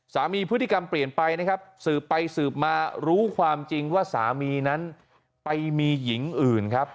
พฤติกรรมเปลี่ยนไปนะครับสืบไปสืบมารู้ความจริงว่าสามีนั้นไปมีหญิงอื่นครับ